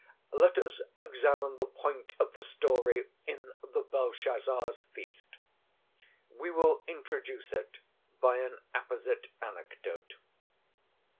Let us examine the point of the story in the "Belshazzar's Feast." We will introduce it by an apposite anecdote.